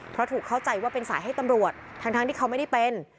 เพราะถูกเข้าใจว่าเป็นสายให้ตำรวจทั้งที่เขาไม่ได้เป็น